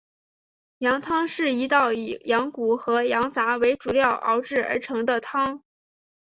羊汤是一道以羊骨和羊杂为主料熬制而成的汤。